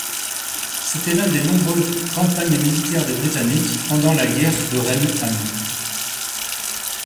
C'était l'un des nombreux campagnes militaires des Britanniques pendant La Guerre de Reine Anne.